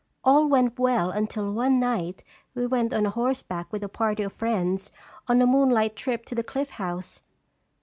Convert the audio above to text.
All went well until one night we went on horseback with a party of friends, on a moonlight trip to* the Cliff House.